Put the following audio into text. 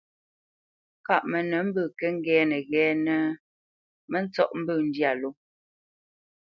Kâʼ mənə mbə̂ kə́ ŋgɛ́nə ghɛ́ɛ́nə́, mə ntsɔ́ʼ mbə̂ ndyâ ló.